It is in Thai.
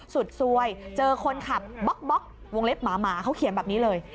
สวยเจอคนขับบล็อกวงเล็บหมาเขาเขียนแบบนี้เลย